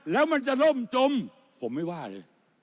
แล้วมันจะล่มจมผมไม่ว่าเลย